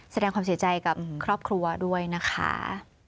แสดงความเสียใจกับครอบครัวด้วยนะคะ